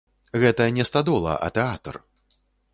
Гэта не стадола, а тэатр.